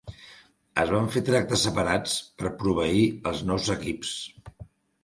Es van fer tractes separats per proveir els nous equips.